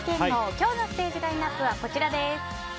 今日のステージラインアップはこちらです。